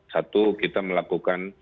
satu kita melakukan